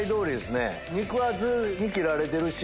肉厚に切られてるし。